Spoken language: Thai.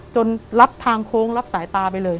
จนรับทางโค้งรับสายตาไปเลย